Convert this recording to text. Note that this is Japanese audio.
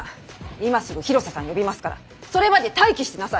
今すぐ広瀬さん呼びますからそれまで待機してなさい！